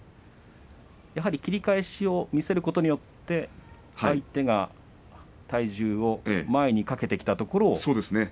やはり切り返しを見せることによって相手が体重を前にかけてきたところを。